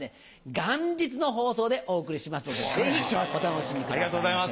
元日の放送でお送りしますのでぜひお楽しみくださいませ。